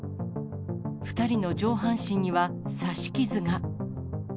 ２人の上半身には刺し傷が。